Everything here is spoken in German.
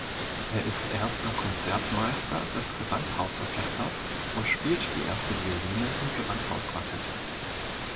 Er ist erster Konzertmeister des Gewandhausorchesters und spielt die erste Violine im Gewandhaus-Quartett.